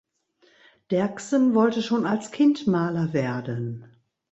Derksen wollte schon als Kind Maler werden.